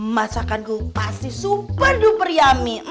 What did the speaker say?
masakanku pasti super duper yummy